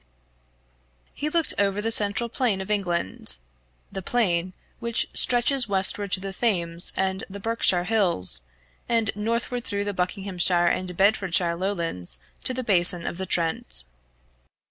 He looked over the central plain of England the plain which stretches westward to the Thames and the Berkshire hills, and northward through the Buckinghamshire and Bedfordshire lowlands to the basin of the Trent.